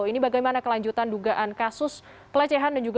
hanya sampai maka kpi akan melalui karyawan yg bisa melengkapi penyebabnya